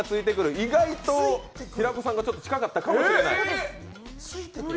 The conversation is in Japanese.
意外と平子さんが近かったかもしれない。